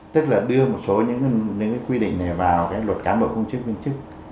tức là đưa một số những quy định này vào luật cán bộ công chức viên chức